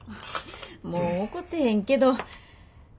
もう怒ってへんけどただ。